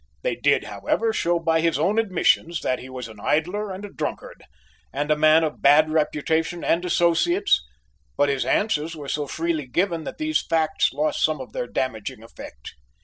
They did, however, show by his own admissions, that he was an idler and a drunkard, and a man of bad reputation and associates, but his answers were so freely given that these facts lost some of their damaging effect.